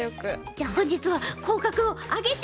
じゃあ本日は口角を上げて。